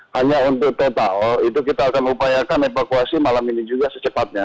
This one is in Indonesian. hanya untuk total itu kita akan upayakan evakuasi malam ini juga secepatnya